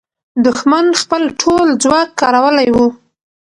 دښمن خپل ټول ځواک کارولی وو.